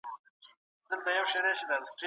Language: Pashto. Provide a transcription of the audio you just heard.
په وليمه کي له اسراف څخه ډډه کول.